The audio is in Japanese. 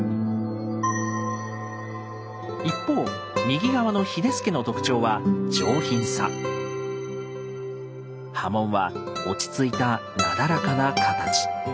一方右側の「秀助」の特徴は刃文は落ち着いたなだらかな形。